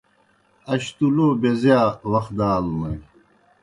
اش تُوْ لو بیزِیا وخ دہ آلونوئے۔